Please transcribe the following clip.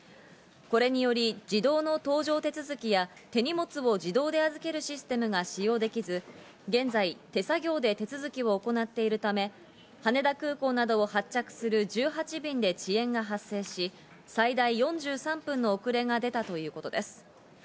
これにより、自動の搭乗手続きや手荷物を自動で預けるシステムが使用できず、現在、手作業で手続きを行っているため羽田空港などを発着する１８便で遅延が発生し、最大４３分の遅れが出たということです。